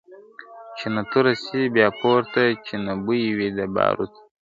چي نه توره سي بیا پورته چي نه بوی وي د باروتو `